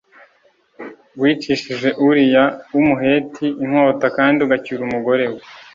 wicishije Uriya w’Umuheti inkota kandi ugacyura umugore we